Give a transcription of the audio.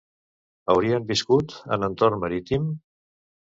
Haurien viscut en entorn marítim?